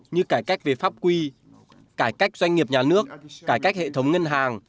như cải cách về pháp quy cải cách doanh nghiệp nhà nước cải cách hệ thống ngân hàng